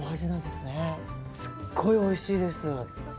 すごいおいしいです。